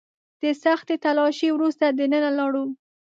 د سختې تلاشۍ وروسته دننه لاړو.